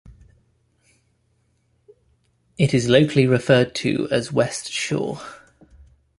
It is locally referred to as West Shore.